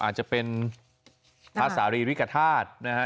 อาจจะเป็นพระสารีริกฐาตุนะฮะ